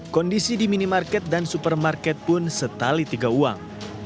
kondisi di minimarket dan supermarket pun setali tiga uang